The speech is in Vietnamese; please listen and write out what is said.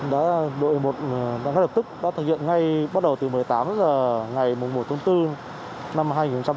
đội một đã ngay lập tức thực hiện ngay bắt đầu từ một mươi tám h ngày một một bốn năm hai nghìn hai mươi